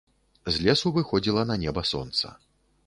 З лесу выходзіла на неба сонца.